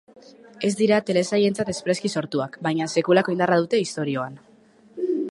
Ez dira telesailentzat espreski sortuak baina sekulako indarra dute istorioan.